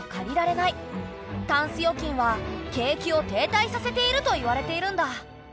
タンス預金は景気を停滞させているといわれているんだ。